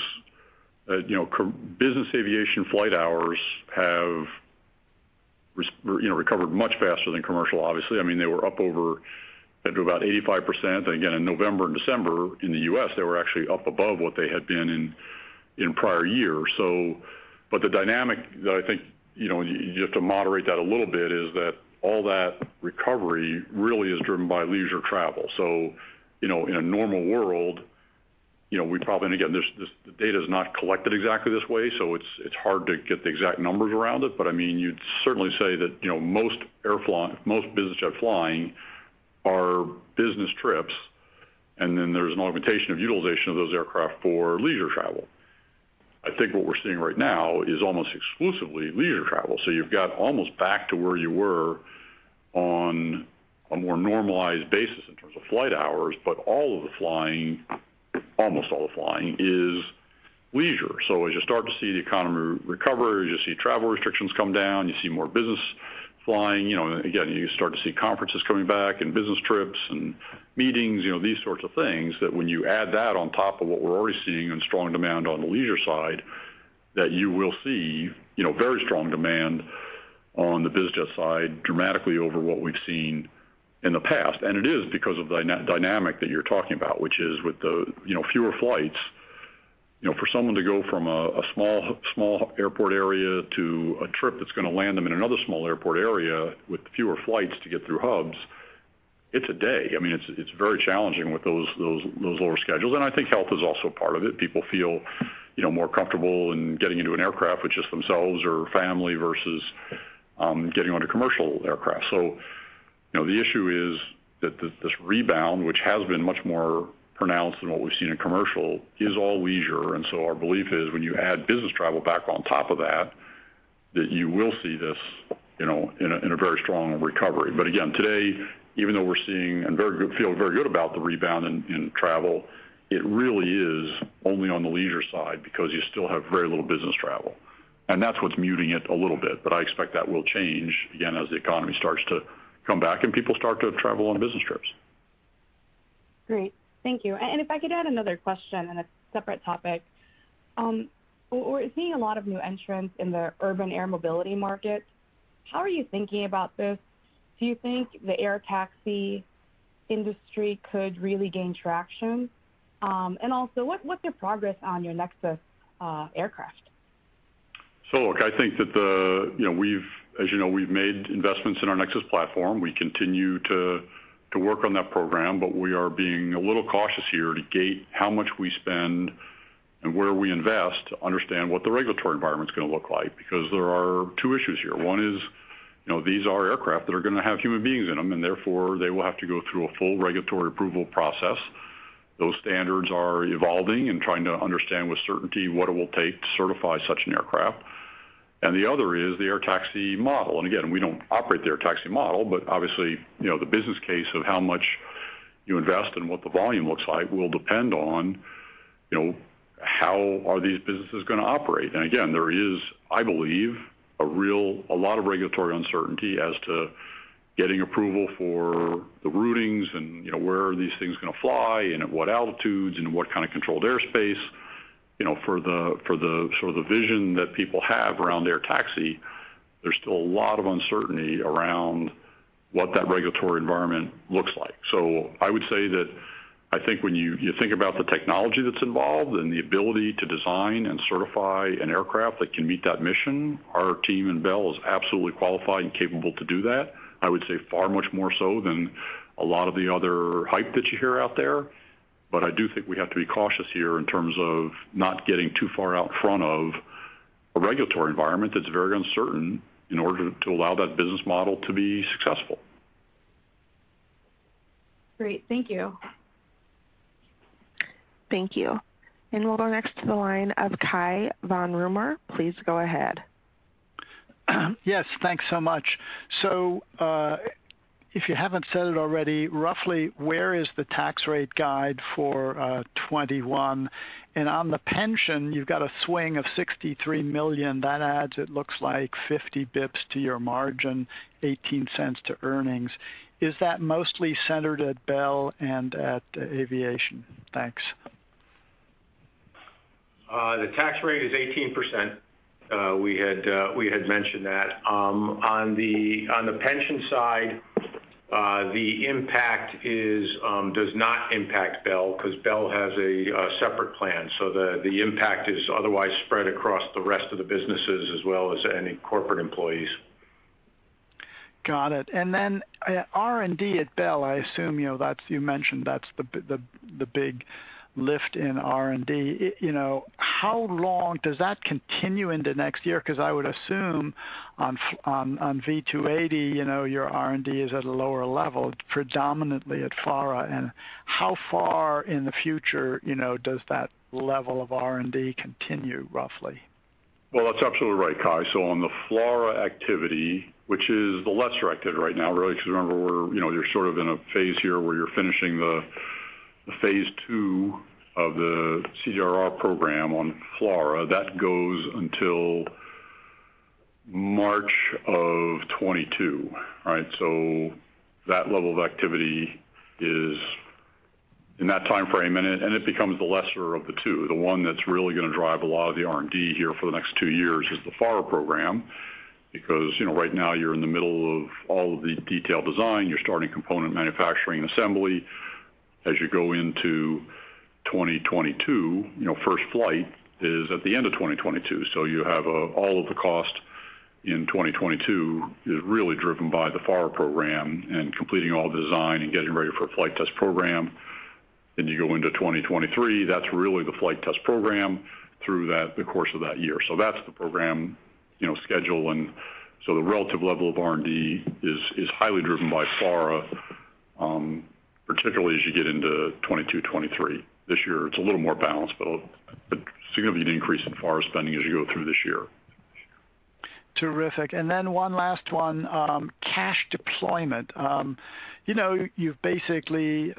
Speaker 3: business aviation flight hours have recovered much faster than commercial, obviously. I mean, they were up over to about 85%. And again, in November and December in the U.S., they were actually up above what they had been in prior years. But the dynamic that I think you have to moderate that a little bit is that all that recovery really is driven by leisure travel. So in a normal world, we probably, and again, the data is not collected exactly this way, so it's hard to get the exact numbers around it. But I mean, you'd certainly say that most business jet flying are business trips, and then there's an augmentation of utilization of those aircraft for leisure travel. I think what we're seeing right now is almost exclusively leisure travel. So you've got almost back to where you were on a more normalized basis in terms of flight hours, but all of the flying, almost all the flying, is leisure. So as you start to see the economy recover, as you see travel restrictions come down, you see more business flying, again, you start to see conferences coming back and business trips and meetings, these sorts of things, that when you add that on top of what we're already seeing in strong demand on the leisure side, that you will see very strong demand on the business side dramatically over what we've seen in the past. And it is because of the dynamic that you're talking about, which is with the fewer flights, for someone to go from a small airport area to a trip that's going to land them in another small airport area with fewer flights to get through hubs, it's a day. I mean, it's very challenging with those lower schedules. And I think health is also part of it. People feel more comfortable in getting into an aircraft with just themselves or family versus getting on a commercial aircraft. So the issue is that this rebound, which has been much more pronounced than what we've seen in commercial, is all leisure. And so our belief is when you add business travel back on top of that, that you will see this in a very strong recovery. But again, today, even though we're seeing and feeling very good about the rebound in travel, it really is only on the leisure side because you still have very little business travel. And that's what's muting it a little bit. But I expect that will change, again, as the economy starts to come back and people start to travel on business trips.
Speaker 16: Great. Thank you, and if I could add another question on a separate topic. We're seeing a lot of new entrants in the urban air mobility market. How are you thinking about this? Do you think the air taxi industry could really gain traction, and also, what's your progress on your Nexus aircraft?
Speaker 3: So look, I think that we've, as you know, we've made investments in our Nexus platform. We continue to work on that program, but we are being a little cautious here to gate how much we spend and where we invest, understand what the regulatory environment's going to look like because there are two issues here. One is these are aircraft that are going to have human beings in them, and therefore they will have to go through a full regulatory approval process. Those standards are evolving and trying to understand with certainty what it will take to certify such an aircraft. And the other is the air taxi model. And again, we don't operate the air taxi model, but obviously, the business case of how much you invest and what the volume looks like will depend on how are these businesses going to operate. And again, there is, I believe, a lot of regulatory uncertainty as to getting approval for the routings and where are these things going to fly and at what altitudes and what kind of controlled airspace. For the sort of the vision that people have around air taxi, there's still a lot of uncertainty around what that regulatory environment looks like. So I would say that I think when you think about the technology that's involved and the ability to design and certify an aircraft that can meet that mission, our team and Bell are absolutely qualified and capable to do that. I would say far much more so than a lot of the other hype that you hear out there. But I do think we have to be cautious here in terms of not getting too far out front of a regulatory environment that's very uncertain in order to allow that business model to be successful.
Speaker 16: Great. Thank you.
Speaker 1: Thank you. And we'll go next to the line of Cai von Rumohr. Please go ahead.
Speaker 17: Yes. Thanks so much. So if you haven't said it already, roughly where is the tax rate guidance for 2021? And on the pension, you've got a swing of $63 million. That adds, it looks like, 50 basis points to your margin, $0.18 to earnings. Is that mostly centered at Bell and at Aviation? Thanks.
Speaker 4: The tax rate is 18%. We had mentioned that. On the pension side, the impact does not impact Bell because Bell has a separate plan. So the impact is otherwise spread across the rest of the businesses as well as any corporate employees.
Speaker 17: Got it. And then R&D at Bell, I assume you mentioned that's the big lift in R&D. How long does that continue into next year? Because I would assume on V-280, your R&D is at a lower level, predominantly at FARA. And how far in the future does that level of R&D continue, roughly?
Speaker 3: Well, that's absolutely right, Cai. So on the FLRAA activity, which is the lesser activity right now, really, because remember, you're sort of in a phase here where you're finishing the phase II of the CRR program on FLRAA. That goes until March of 2022, right? So that level of activity is in that timeframe and it becomes the lesser of the two. The one that's really going to drive a lot of the R&D here for the next two years is the FARA program because right now you're in the middle of all of the detailed design. You're starting component manufacturing and assembly. As you go into 2022, first flight is at the end of 2022. So you have all of the cost in 2022 is really driven by the FARA program and completing all the design and getting ready for a flight test program. Then you go into 2023. That's really the flight test program through the course of that year. So that's the program schedule. And so the relative level of R&D is highly driven by FARA, particularly as you get into 2022, 2023. This year, it's a little more balanced, but a significant increase in FARA spending as you go through this year.
Speaker 17: Terrific. And then one last one, cash deployment. You've basically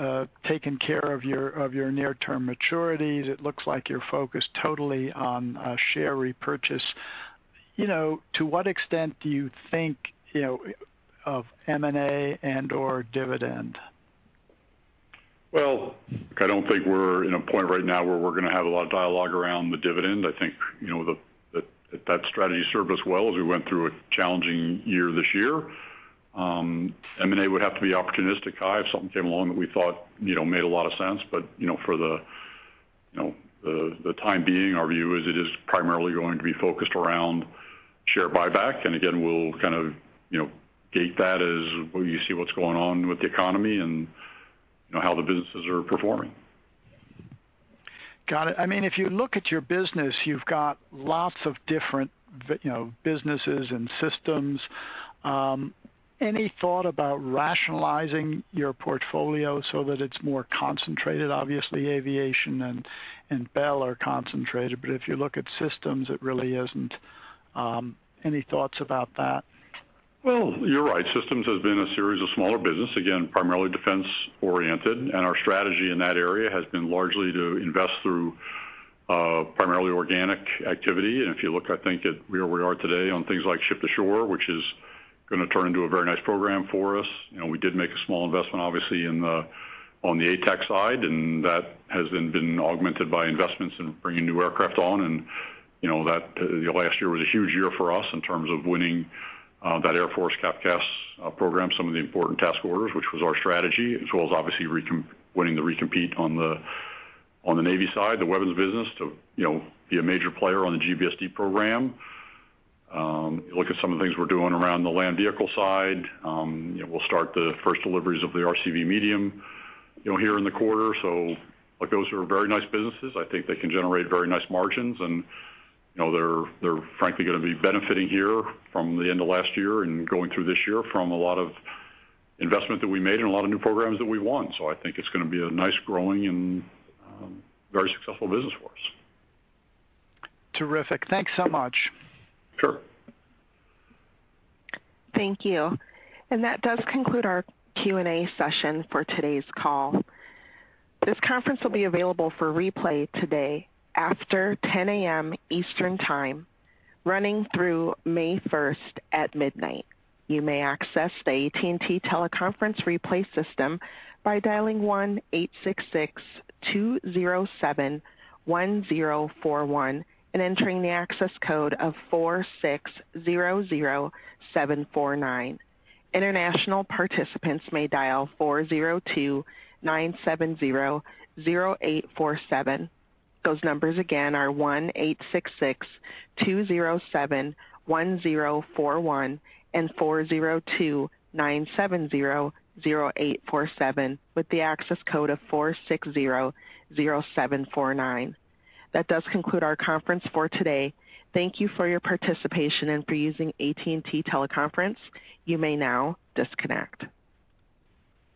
Speaker 17: taken care of your near-term maturities. It looks like you're focused totally on share repurchase. To what extent do you think of M&A and/or dividend?
Speaker 3: Well, I don't think we're in a point right now where we're going to have a lot of dialogue around the dividend. I think that strategy served us well as we went through a challenging year this year. M&A would have to be opportunistic, Cai, if something came along that we thought made a lot of sense. But for the time being, our view is it is primarily going to be focused around share buyback. And again, we'll kind of gate that as you see what's going on with the economy and how the businesses are performing.
Speaker 17: Got it. I mean, if you look at your business, you've got lots of different businesses and systems. Any thought about rationalizing your portfolio so that it's more concentrated? Obviously, aviation and Bell are concentrated, but if you look at systems, it really isn't. Any thoughts about that?
Speaker 3: Well, you're right. Systems has been a series of smaller businesses, again, primarily defense-oriented. And our strategy in that area has been largely to invest through primarily organic activity. And if you look, I think, at where we are today on things like Ship-to-Shore, which is going to turn into a very nice program for us. We did make a small investment, obviously, on the Kautex side, and that has then been augmented by investments in bringing new aircraft on. And the last year was a huge year for us in terms of winning that Air Force CAF CAS program, some of the important task orders, which was our strategy, as well as, obviously, winning the recompete on the Navy side, the weapons business to be a major player on the GBSD program. You look at some of the things we're doing around the land vehicle side. We'll start the first deliveries of the RCV Medium here in the quarter. So those are very nice businesses. I think they can generate very nice margins, and they're frankly going to be benefiting here from the end of last year and going through this year from a lot of investment that we made and a lot of new programs that we've won. So I think it's going to be a nice, growing, and very successful business for us.
Speaker 17: Terrific. Thanks so much.
Speaker 3: Sure.
Speaker 1: Thank you. And that does conclude our Q&A session for today's call. This conference will be available for replay today after 10:00 A.M. Eastern Time, running through May 1st at midnight. You may access the AT&T teleconference replay system by dialing 1-866-207-1041 and entering the access code of 4600749. International participants may dial 402-970-0847. Those numbers again are 1-866-207-1041 and 402-970-0847 with the access code of 4600749. That does conclude our conference for today. Thank you for your participation and for using AT&T Teleconference. You may now disconnect.